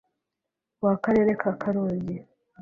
Wa karere ka Karongi